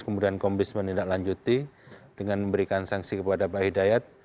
kemudian komis menindaklanjuti dengan memberikan sanksi kepada pak hidayat